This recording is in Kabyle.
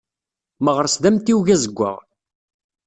Meɣres d amtiweg azewwaɣ.